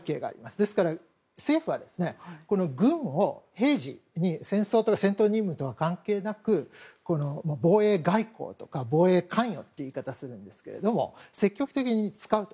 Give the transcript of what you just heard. ですから政府は、軍を平時に戦闘任務とは関係なく防衛外交とか防衛関与という言い方をしますけど積極的に使うと。